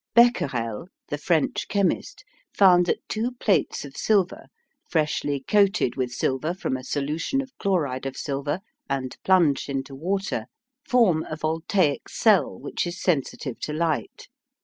Becquerel, the French chemist, found that two plates of silver freshly coated with silver from a solution of chloride of silver and plunged into water, form a voltaic cell which is sensitive to light.